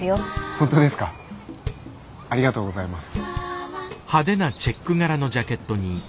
本当ですかありがとうございます。